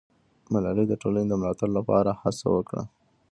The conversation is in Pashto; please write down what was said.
ملالۍ د ټولنې د ملاتړ لپاره هڅه وکړه.